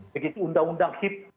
begitu undang undang hip